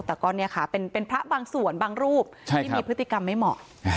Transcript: แต่ก็เนี่ยค่ะเป็นพระบางส่วนบางรูปที่มีพฤติกรรมไม่เหมาะ